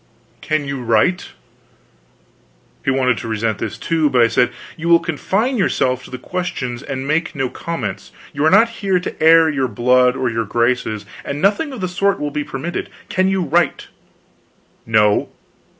"Can you write?" He wanted to resent this, too, but I said: "You will confine yourself to the questions, and make no comments. You are not here to air your blood or your graces, and nothing of the sort will be permitted. Can you write?" "No."